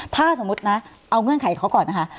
ถ้าสมมุตินะเอาเงื่อนไขเขาก่อนนะคะ